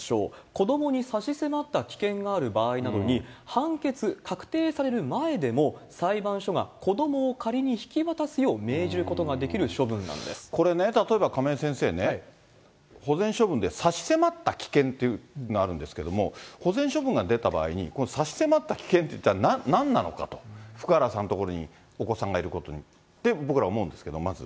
子どもに差し迫った危険がある場合などに、判決、確定される前でも裁判所が子どもを仮に引き渡すよう命じることがこれね、例えば亀井先生ね、保全処分で差し迫った危険というのがあるんですけど、保全処分が出た場合に、この差し迫った危険ってなんなのかと、福原さんの所にお子さんがいることに、僕ら思うんですけど、まず。